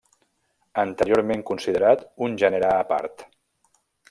Anteriorment considerat un gènere a part.